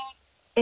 え？